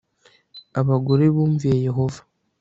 abagore bumviye yehova